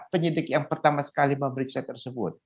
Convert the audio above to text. penyidik yang pertama sekali memeriksa tersebut